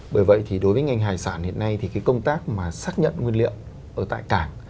bởi vậy thì đối với ngành hải sản hiện nay thì cái công tác mà xác nhận nguyên liệu ở tại cảng